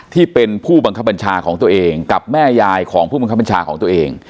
ที่เป็นผู้บังคับบัญชาของตัวเองกับแม่ยายของผู้บังคับบัญชาของตัวเอง